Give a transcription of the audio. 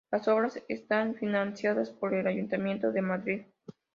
Las obras están financiadas por el Ayuntamiento de Madrid.